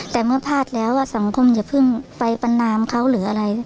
แต่เมื่อพลาดแล้วสังคมอย่าเพิ่งไปปันนามเขาหรืออะไร